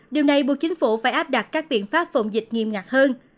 điều này buộc chính phủ phải áp đặt các biện pháp phòng dịch nghiêm ngặt hơn